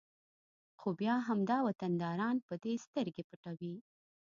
خو بیا همدا وطنداران په دې سترګې پټوي